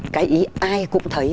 cái ý ai cũng thấy